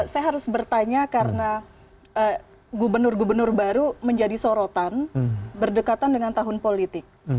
saya harus bertanya karena gubernur gubernur baru menjadi sorotan berdekatan dengan tahun politik